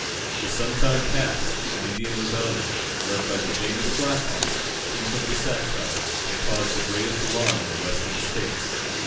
For some time past, an Indian rebellion, led by the famous Black Hawk, Chief of the Sac tribe, had caused the greatest alarm in the Western States.